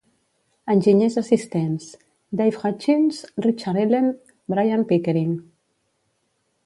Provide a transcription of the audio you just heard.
Enginyers assistents: Dave Hutchins, Richard Elen, Brian Pickering.